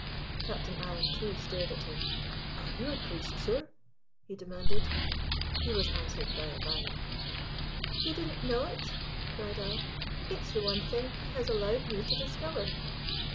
Captain Alan too stared at him. "Are you a priest, sir?" he demanded. He was answered by a bow. "You didn't know it?" cried I. "It's the one thing he has allowed me to discover."